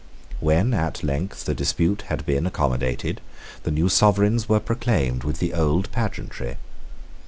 When at length the dispute had been accommodated, the new sovereigns were proclaimed with the old pageantry.